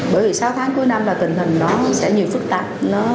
bởi vì sáu tháng cuối năm là tình hình nó sẽ nhiều phức tạp nó nhiều cái lễ hội diễn ra